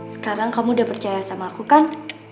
sekarang kamu udah percaya sama aku kan